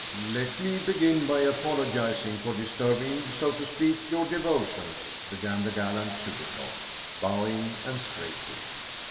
" Let me begin by apologizing for disturbing, so to speak, your devotions," began the gallant Chubikoff, bow ing and scraping.